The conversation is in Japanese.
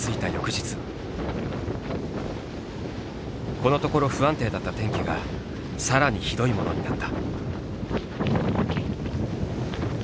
このところ不安定だった天気がさらにひどいものになった。